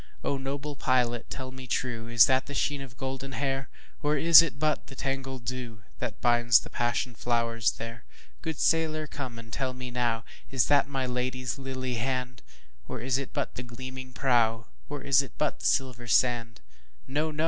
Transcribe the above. O noble pilot tell me trueIs that the sheen of golden hair? Or is it but the tangled dewThat binds the passion flowers there? Good sailor come and tell me nowIs that my Lady's lily hand? Or is it but the gleaming prow, Or is it but the silver sand? No! no!